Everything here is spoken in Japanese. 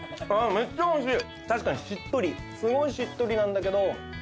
めっちゃおいしい！